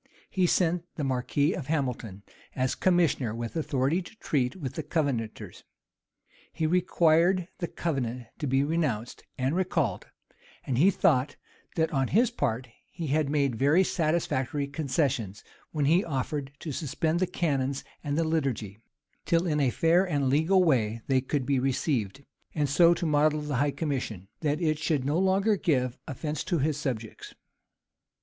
He sent the marquis of Hamilton, as commissioner, with authority to treat with the Covenanters. He required the covenant to be renounced and recalled: and he thought, that on his part he had made very satisfactory concessions, when he offered to suspend the canons and the liturgy, till in a fair and legal way they could be received; and so to model the high commission, that it should no longer give offence to his subjects.